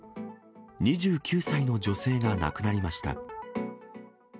２９歳の女性が亡くなりました。